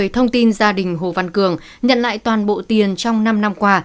thông tin gia đình hồ văn cường nhận lại toàn bộ tiền trong năm năm qua